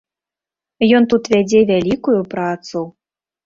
Ён тут вядзе вялікую працу.